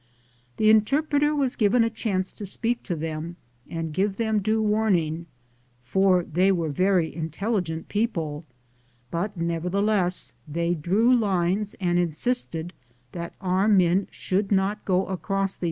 The interpreter was given a chance to speak to them and give them due warning, for they were very intelligent people, but nevertheless they drew lines and insisted that out men should not go across these lines toward their village.